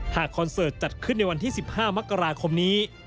คอนเสิร์ตจัดขึ้นในวันที่๑๕มกราคมนี้